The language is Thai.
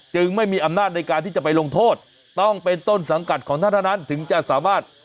ไม่มีอำนาจในการที่จะไปลงโทษต้องเป็นต้นสังกัดของท่านเท่านั้นถึงจะสามารถ